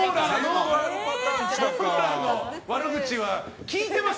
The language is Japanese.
モーラーの悪口は聞いてます